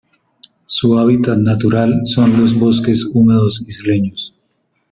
Su hábitat natural son los bosques húmedos isleños.